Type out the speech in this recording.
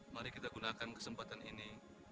mari kita gunakan kesempatan ini